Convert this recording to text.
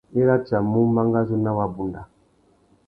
I ratiamú mangazú nà wabunda.